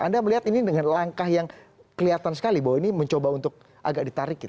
anda melihat ini dengan langkah yang kelihatan sekali bahwa ini mencoba untuk agak ditarik